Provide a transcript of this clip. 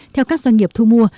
theo các doanh nghiệp thu mua